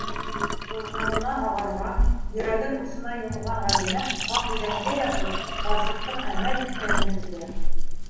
Ҡурҡыуынан ағарған, йөрәген усына йомған Ғәлимә ҡаҡ иҙәнгә ятып, ҡарсыҡтың әмәл иткәнен көтә.